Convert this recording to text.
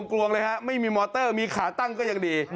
กลวงเลยฮะไม่มีมอเตอร์มีขาตั้งก็ยังดี